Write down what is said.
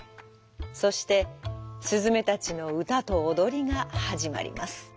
そしてすずめたちのうたとおどりがはじまります。